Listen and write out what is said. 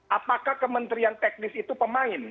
apakah kementerian teknis itu pemain